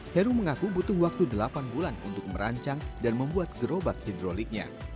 heru mengaku butuh waktu delapan bulan untuk merancang dan membuat gerobak hidroliknya